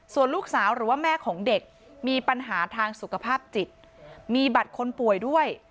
ส่วนลูกสาวหรือว่าแม่ของเด็กมีปัญหาทางสุขภาพจิตมีบัตรคนป่วยด้วย